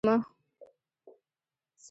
سم د ماښامه تبې ونيومه